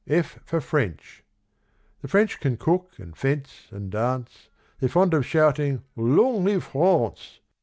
F for French. The French can cook, and fence, and dance, They're fond of shouting "Long live France!"